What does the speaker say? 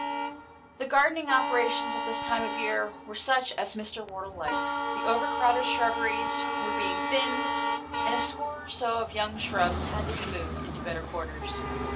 The gardening operations at this time of year were such as Mr. Wardle liked. The over crowded shrubberies were being thinned, and a score or so of young shrubs had to be moved into better quarters.